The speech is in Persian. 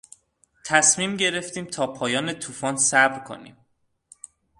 تصمیم گرفتیم تا پایان توفان صبر کنیم.